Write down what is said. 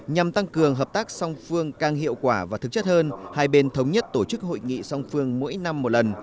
nhằm tăng cường hợp tác song phương càng hiệu quả và thực chất hơn hai bên thống nhất tổ chức hội nghị song phương mỗi năm một lần